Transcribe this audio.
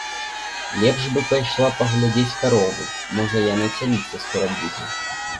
Лепш бы пайшла паглядзець карову, можа яна цяліцца скора будзе.